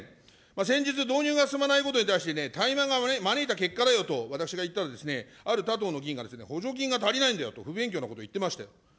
先日、導入が進まないことに対して、怠慢が招いた結果だよと私が言ったら、ある他党の議員が、補助金が足りないんだよと、不勉強なこと言ってましたよ。